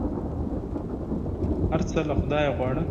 هر څه له خدایه غواړه !